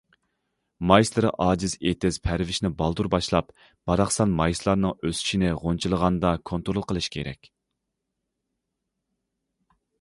مايسىلىرى ئاجىز ئېتىز پەرۋىشىنى بالدۇر باشلاپ، باراقسان مايسىلارنىڭ ئۆسۈشىنى غۇنچىلىغاندا كونترول قىلىش كېرەك.